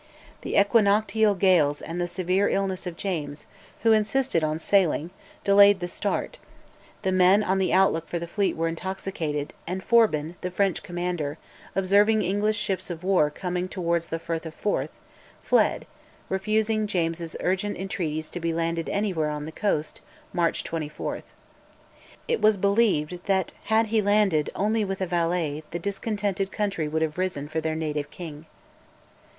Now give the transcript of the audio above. The equinoctial gales and the severe illness of James, who insisted on sailing, delayed the start; the men on the outlook for the fleet were intoxicated, and Forbin, the French commander, observing English ships of war coming towards the Firth of Forth, fled, refusing James's urgent entreaties to be landed anywhere on the coast (March 24). It was believed that had he landed only with a valet the discontented country would have risen for their native king.